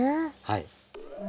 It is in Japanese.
はい。